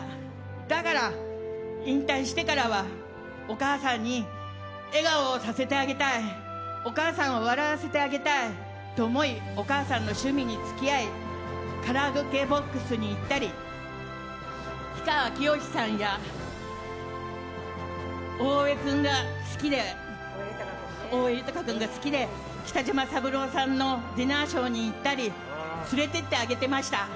だから、引退してからはお母さんに笑顔をさせてあげたいお母さんを笑わせてあげたいと思いお母さんの趣味に付き合いカラオケボックスに行ったり氷川きよしさんや大江裕君が好きで北島三郎さんのディナーショーに行ったり連れていってあげてました。